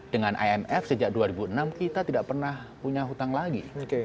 dengan imf sejak dua ribu enam kita tidak pernah punya hutang lagi